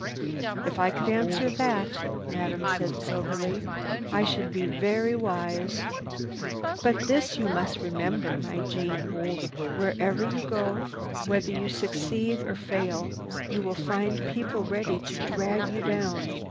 "If I could answer that," Madame said soberly, "I should be very wise. But this you must remember, my Jeanne: wherever you go, whether you succeed or fail, you will find people ready to drag you down.